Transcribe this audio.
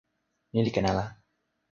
ni li ken ala.